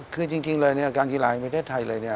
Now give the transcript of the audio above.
คือจริงเลยการกีฬาไม่ได้ไทยเลย